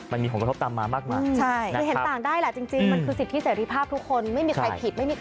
มันมีผลกระทบตามมามากมายใช่คือเห็นต่างได้แหละจริงมันคือสิทธิเสรีภาพทุกคนไม่มีใครผิด